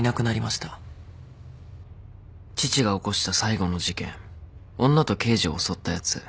父が起こした最後の事件女と刑事を襲ったやつ。